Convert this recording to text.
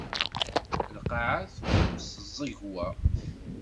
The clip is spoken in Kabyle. Lqaɛa tɣumm s tẓegwa.